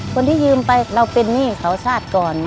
คนที่ยืมไปเราเป็นหนี้เขาชาติก่อน